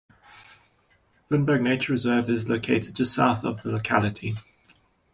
Vinberg Nature Reserve is located just south of the locality.